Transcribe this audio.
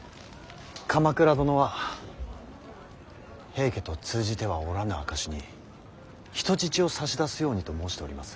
鎌倉殿は平家と通じてはおらぬ証しに人質を差し出すようにと申しております。